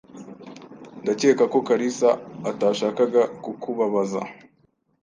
Ndakeka ko Kalisa atashakaga kukubabaza.